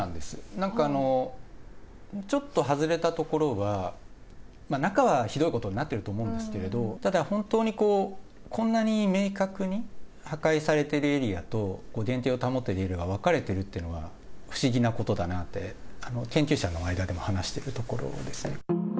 なんか、ちょっと外れた所は、中はひどいことになってると思うんですけど、ただ、本当に、こんなに明確に破壊されてるエリアと、原形を保っているエリアが分かれてるっていうのは、不思議なことだなって、研究者の間でも話してるところですね。